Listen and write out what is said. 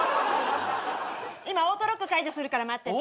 今オートロック解除するから待ってて。